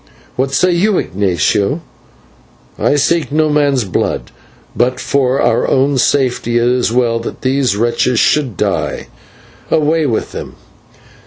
"What say you, Ignatio?" "I seek no man's blood, but for our own safety it is well that these wretches should die. Away with them!"